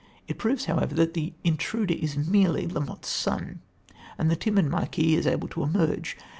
It proves, however, that the intruder is merely La Motte's son, and the timid marquis is able to emerge.